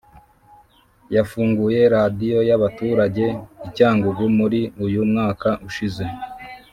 yafunguye radiyo y abaturage i Cyangugu muri uyu mwaka ushize